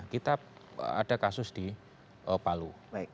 kita ada kasus di palu